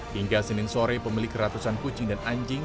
hingga senin sore pemilik ratusan kucing dan anjing